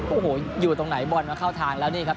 โอ้โหอยู่ตรงไหนบอลมาเข้าทางแล้วนี่ครับ